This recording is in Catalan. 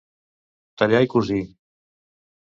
Tallar i cosir.